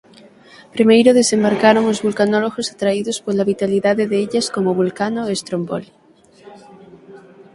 Primeiro desembarcaron os vulcanólogos atraídos pola vitalidade de illas como Vulcano e Stromboli.